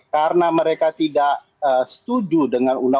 karena mereka tidak setuju dengan undang undangnya